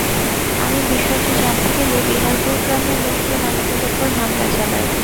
আমি বিষয়টি জানতে গেলে বিহারপুর গ্রামের লোকজন আমাদের ওপর হামলা চালায়।